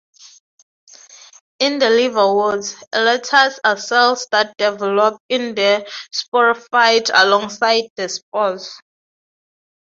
In the liverworts, elaters are cells that develop in the sporophyte alongside the spores.